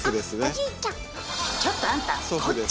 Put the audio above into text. ちょっとあんた！